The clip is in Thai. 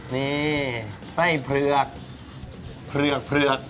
นี่ไส้เผือกเผือกเผือก